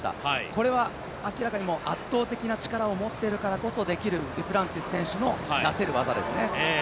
これは明らかに圧倒的な力を持っているからこそできるデュプランティス選手のなせる技ですね。